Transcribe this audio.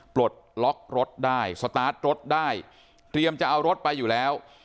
ปลดล็อกรถได้สตาร์ทรถได้เตรียมจะเอารถไปอยู่แล้ว